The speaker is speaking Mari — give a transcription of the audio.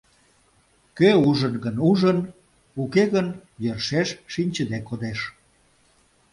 Кӧ ужын гын — ужын, уке гын — йӧршеш шинчыде кодеш.